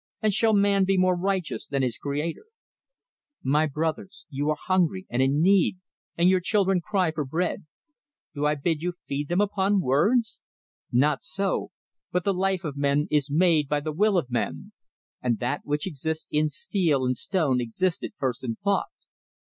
And shall man be more righteous than his Creator? "My brothers: You are hungry, and in need, and your children cry for bread; do I bid you feed them upon words? Not so; but the life of men is made by the will of men, and that which exists in steel and stone existed first in thought.